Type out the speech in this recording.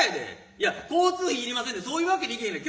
いや交通費いりませんってそういうわけにいけへんねん。